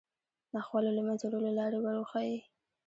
ناخوالو له منځه وړلو لارې وروښيي